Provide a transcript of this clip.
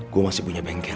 saya masih punya bengkel